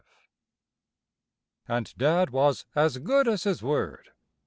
V And Dad was as good as his word.